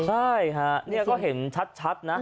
ใช่ค่ะเราก็เห็นชัดนะ